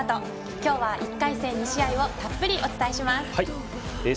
今日は１回戦２試合をたっぷりお伝えします。